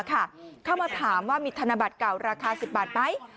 เข้ามาถามว่ามีธนบัตรเก่าราคา๑๐บาทไหม